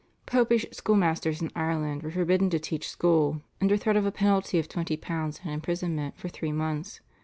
Popish schoolmasters in Ireland were forbidden to teach school under threat of a penalty of £20 and imprisonment for three months.